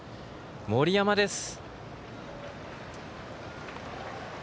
森山です。